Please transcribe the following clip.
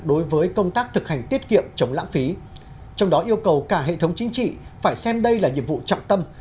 đối với công tác thực hành tiết kiệm chống lãng phí trong đó yêu cầu cả hệ thống chính trị phải xem đây là nhiệm vụ trọng tâm